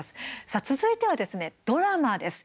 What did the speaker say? さあ、続いてはドラマです。